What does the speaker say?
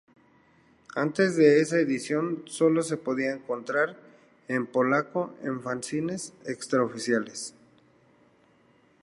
Antes de esa edición, sólo se podía encontrar en polaco en fanzines extraoficiales.